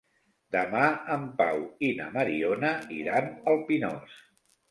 Demà en Pau i na Mariona iran al Pinós.